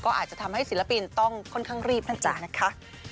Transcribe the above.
ก็อาจจะทำให้ศิลปินต้องค่อนข้างรีบนะจ๊ะนะคะ